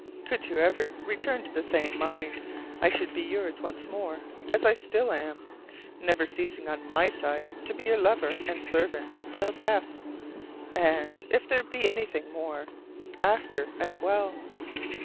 Could you ever return to the same mind, I should be yours once more as I still am; never ceasing on my side to be your lover and servant till death, and if there be anything more after as well.